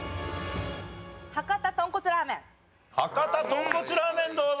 博多豚骨ラーメンどうだ？